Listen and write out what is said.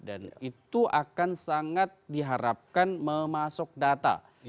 dan itu akan sangat diharapkan memasuk data